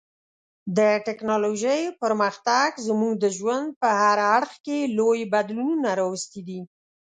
د ټکنالوژۍ پرمختګ زموږ د ژوند په هر اړخ کې لوی بدلونونه راوستي دي.